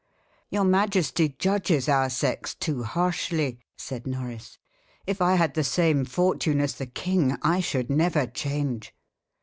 "Your majesty judges our sex too harshly," said Norris. "If I had the same fortune as the king, I should never change."